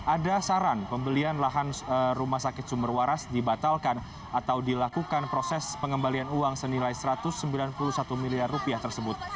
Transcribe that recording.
ada saran pembelian lahan rumah sakit sumber waras dibatalkan atau dilakukan proses pengembalian uang senilai satu ratus sembilan puluh satu miliar rupiah tersebut